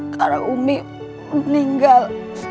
karena saya sudah meninggal